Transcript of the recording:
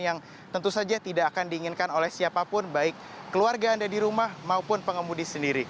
yang tentu saja tidak akan diinginkan oleh siapapun baik keluarga anda di rumah maupun pengemudi sendiri